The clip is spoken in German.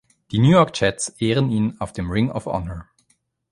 Die New York Jets ehren ihn auf dem Ring of Honor.